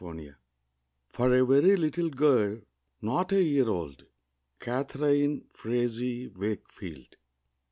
Sunshine For a Very Little Girl, Not a Year Old. Catharine Frazee Wakefield.